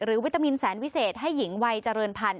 วิตามินแสนวิเศษให้หญิงวัยเจริญพันธ